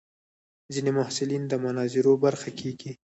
ځینې محصلین د مناظرو برخه کېږي.